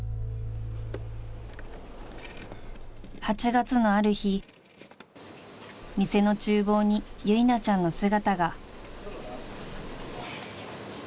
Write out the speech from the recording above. ［８月のある日店の厨房に由奈ちゃんの姿が］